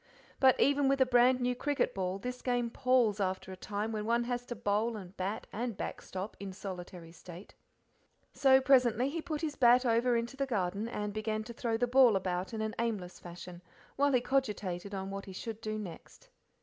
But even with a brand new cricket ball this game palls after a time when one has to bowl and bat and backstop in solitary state. So presently he put his bat over into the garden, and began to throw the ball about in an aimless fashion, while he cogitated on what he should do next.